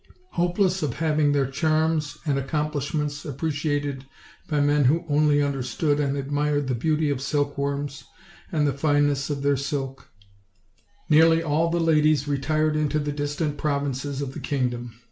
Hope less of having their charms and accomplishments appre ciated by men who only understood and admired the foeauty of silkworms and the fineness of their silk, nearly OLD, OLD FAIRY TALES. 149 all the ladies retired into the distant provinces of the kingdom.